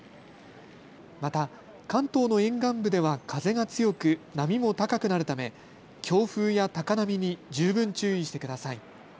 また、関東の沿岸部では風が強く、波も高くなるため、強風や高波に十分注意してください。